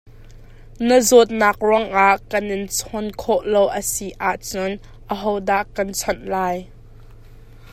Na zawtnak ruang ah kan in chawn khawh lo a si ah cun, ahodah kan chawnh lai?